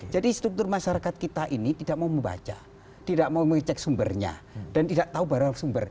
jadi struktur masyarakat kita ini tidak mau membaca tidak mau mengecek sumbernya dan tidak tahu barang sumber